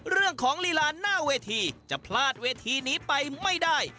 ลีลาหน้าเวทีจะพลาดเวทีนี้ไปไม่ได้